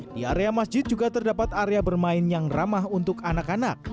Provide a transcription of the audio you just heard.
di area masjid juga terdapat area bermain yang ramah untuk anak anak